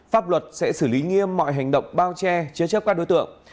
pháp luật sẽ xử lý nghiêm mọi hành động bao che chế chấp các đối tượng